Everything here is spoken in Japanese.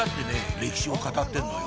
歴史を語ってんのよ